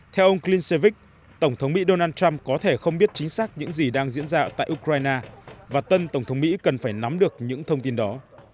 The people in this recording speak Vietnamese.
theo ông clinsevik tổng thống mỹ donald trump có thể không biết chính xác những gì đang diễn ra tại ukraine và tân tổng thống mỹ cần phải nắm được những thông tin đó